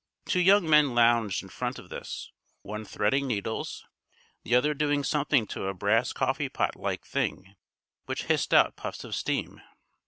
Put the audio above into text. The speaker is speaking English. Two young men lounged in front of this, one threading needles, the other doing something to a brass coffee pot like thing which hissed out puffs of steam.